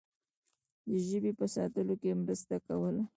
د ژبې په ساتلو کې مرسته کوله.